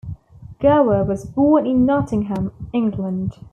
Gower was born in Nottingham, England.